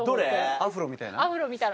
アフロみたいな？